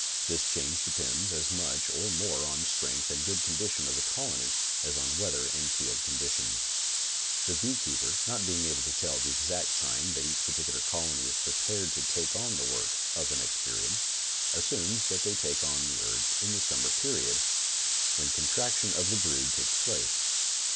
This change depends as much or more on strength and good condition of the colony as on weather and field con ditions. The beekeeper, not being able to tell the exact time that each particular colony is prepared to take on the work of the next period, assumes that they take on the urge in the summer period when contraction of the brood takes place.